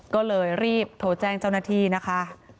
ก็เลยรีบโทรแจ้งเจ้าหน้าที่นะคะ